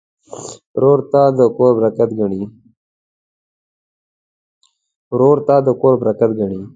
ورور ته د کور برکت ګڼې.